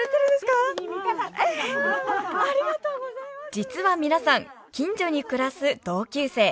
実は皆さん近所に暮らす同級生。